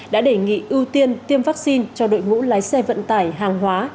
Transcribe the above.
đã đề nghị ưu tiên tiêm vaccine cho đội ngũ lái xe vận tải hàng hóa